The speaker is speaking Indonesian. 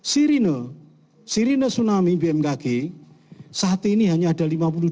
sirine sirine tsunami bmkg saat ini hanya ada lima puluh dua